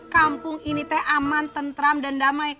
kampung ini teh aman tentram dan damai